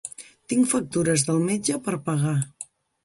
Tinc factures del metge per pagar.